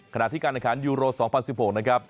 ขณะที่การอาคารยูโรส๒๐๑๖นะครับ